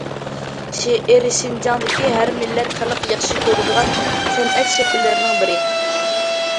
شېئىر شىنجاڭدىكى ھەر مىللەت خەلق ياخشى كۆرىدىغان سەنئەت شەكىللىرىنىڭ بىرى.